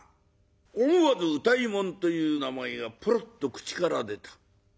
思わず歌右衛門という名前がポロッと口から出た。